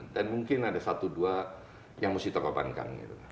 dan mungkin ada satu dua yang mesti terobankan